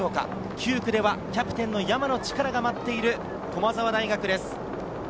９区では山野力が待っている駒澤大学です。